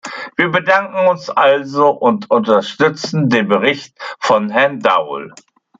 Wir bedanken uns also und unterstützen den Bericht von Herrn Daul.